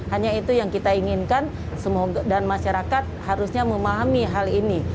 hanya itu yang kita inginkan dan masyarakat harusnya memahami hal ini